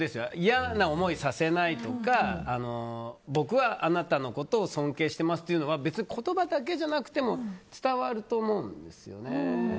嫌な思いをさせないとか僕はあなたのことを尊敬してますというのは別に言葉だけじゃなくても伝わると思うんですよね。